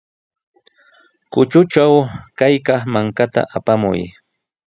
Kutatraw kaykaq mankata apamuy.